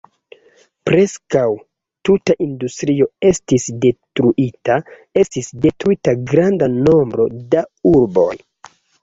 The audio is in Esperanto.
Preskaŭ tuta industrio estis detruita, estis detruita granda nombro da urboj.